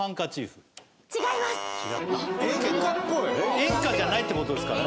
演歌じゃないって事ですかね。